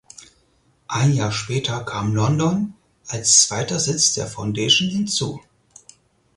Ein Jahr später kam London als zweiter Sitz der Foundation hinzu.